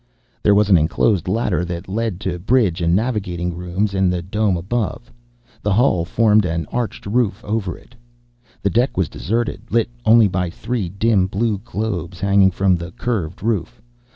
There was an enclosed ladder that led to bridge and navigating room in the dome above. The hull formed an arched roof over it. The deck was deserted, lit only by three dim blue globes, hanging from the curved roof.